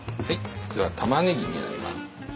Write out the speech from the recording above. こちらはたまねぎになります。